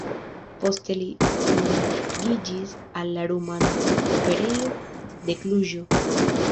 Poste li dungiĝis al la Rumana Operejo de Kluĵo.